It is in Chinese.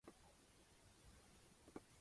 任何人不得加以任意逮捕、拘禁或放逐。